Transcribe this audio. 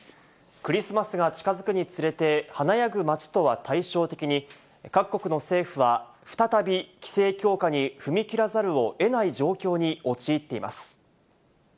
クリスマスが近づくにつれて、華やぐ街とは対照的に、各国の政府は再び規制強化に踏み切らざるをえない状況に陥っています。